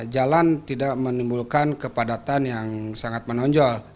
jalan tidak menimbulkan kepadatan yang sangat menonjol